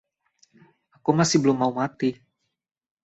Aku masih belum mau mati.